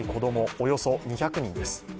およそ２００人です。